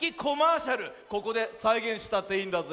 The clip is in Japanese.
ここでさいげんしたっていいんだぜ。